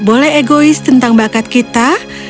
boleh egois tentang bakat kita